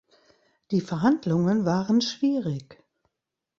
Die Verhandlungen waren schwierig.